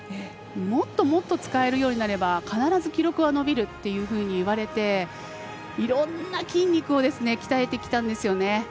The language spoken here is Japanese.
もっともっと使えるようになれば必ず記録は伸びるっていうことをいわれていろんな筋肉を鍛えてきたんですよね。